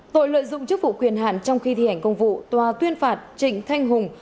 tội lợi dụng chức vụ quyền hạn trong khi thi hành công vụ tòa tuyên phạt trịnh thanh hùng